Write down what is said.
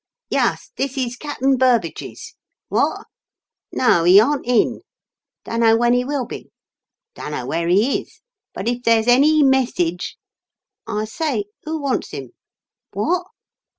Yuss; this is Cap'n Burbage's. Wot? No, he aren't in. Dunno when he will be. Dunno where he is. But if there's any messidge I say, who wants him? Wot?